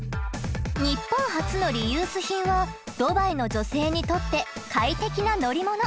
ニッポン発のリユース品はドバイの女性にとって快適な乗り物！